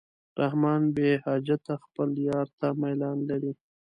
رحمان بېحجته خپل یار ته میلان لري.